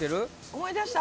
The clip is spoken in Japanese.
思い出した？